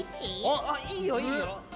あっいいよいいよ。